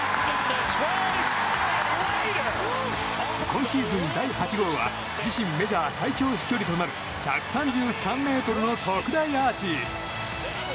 今シーズン８号は自身メジャー最長飛距離となる１３３ｍの特大アーチ。